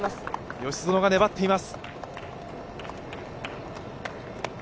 吉薗が粘っています。